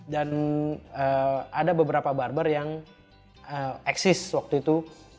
ada beberapa barber yang eksis waktu itu